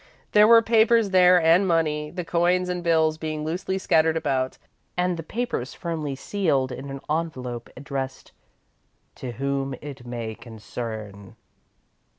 There were papers there and money, the coins and bills being loosely scattered about, and the papers firmly sealed in an envelope addressed "To Whom it May Concern."